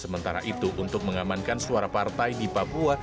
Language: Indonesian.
sementara itu untuk mengamankan suara partai di papua